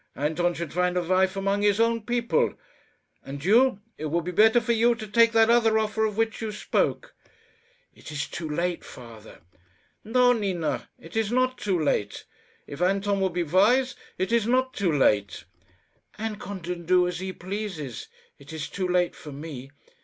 Anton should find a wife among his own people; and you it would be better for you to take that other offer of which you spoke." "It is too late, father." "No, Nina, it is not too late. If Anton would be wise, it is not too late." "Anton can do as he pleases. It is too late for me.